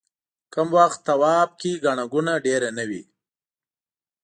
کوم وخت طواف کې ګڼه ګوڼه ډېره نه وي.